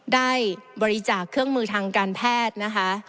ได้บริจาคเครื่องมือทางการแพทย์นะคะ